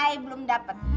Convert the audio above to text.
i belum dapet